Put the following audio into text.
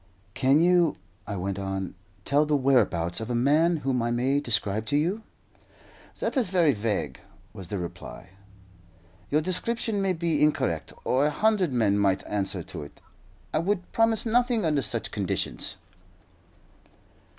"Can you," I went on, "tell the whereabouts of a man whom I may describe to you?" "That is very vague," was the reply. "Your description may be incorrect, or a hundred men might answer to it. I would promise nothing under such conditions."